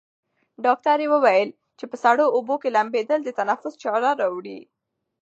ډاکټره وویل چې په سړو اوبو کې لامبېدل د تنفس چاره راوړي.